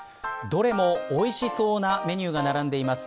どれも、おいしそうなメニューが並んでいます。